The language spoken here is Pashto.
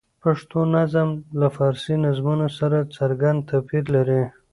پښتو نظم له فارسي نظمونو سره څرګند توپیر لري.